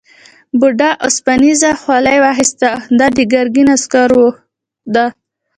بوډا اوسپنيزه خولۍ واخیسته دا د ګرګین عسکرو ده.